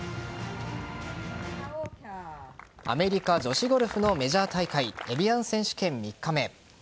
アメリカ女子ゴルフのメジャー大会エビアン選手権３日目。